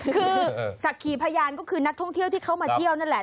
คือสักขีพยานก็คือนักท่องเที่ยวที่เขามาเที่ยวนั่นแหละ